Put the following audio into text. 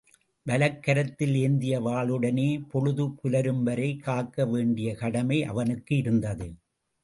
வலக்கரத்தில் ஏந்திய வாளுடனே பொழுது புலரும்வரை காக்க வேண்டிய கடமை அவனுக்கு இருந்தது.